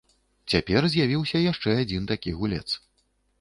Цяпер з'явіўся яшчэ адзін такі гулец.